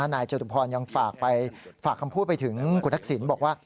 นายจตุพรยังฝากคำพูดไปถึงคุณทักษิณบอกว่า